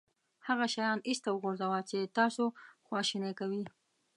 هغه شیان ایسته وغورځوه چې تاسو خواشینی کوي.